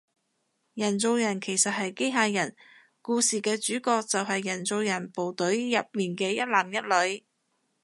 人造人其實即係機械人，故事嘅主角就係人造人部隊入面嘅一男一女